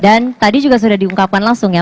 dan tadi juga sudah diungkapkan langsung ya